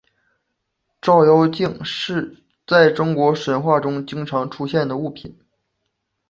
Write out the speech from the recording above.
照妖镜是在中国神话中经常出现的物品。